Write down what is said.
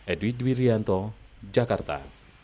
edwid wirianto jakarta